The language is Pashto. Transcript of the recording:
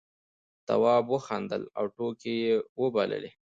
تواب وخندل او ټوکې یې وبللې.